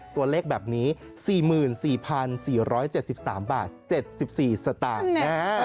ตัวเลขแบบนี้๔๔๔๔๗๓บาท๗๔สตางค์นะฮะ